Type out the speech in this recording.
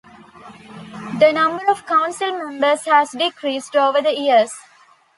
The number of council members has decreased over the years.